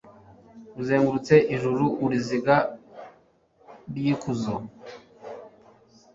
uzengurutsa ijuru uruziga rw'ikuzo